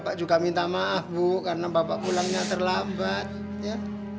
bapak juga minta maaf bu karena bapak pulangnya terlambat ya